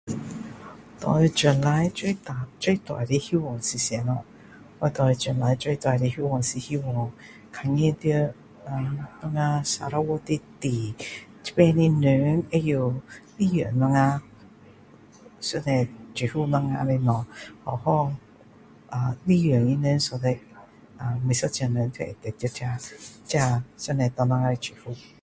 对对将来最大的帮助是什么我对将来最大的希望是看见到呃我们 Sarawak 的地这边的人会懂知道上帝祝福我们的东西别的好好利用每一个人都会这这上帝给我们的祝福